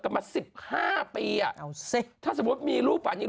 กลับมาสิบห้าปีอ่ะเอาสิถ้าสมมุติมีลูกป่านอย่างนี้